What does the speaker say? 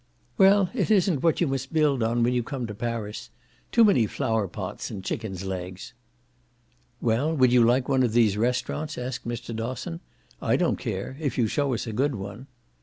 "Well, it isn't what you must build on when you come to Paris. Too many flowerpots and chickens' legs." "Well, would you like one of these restaurants?" asked Mr. Dosson. "I don't care if you show us a good one."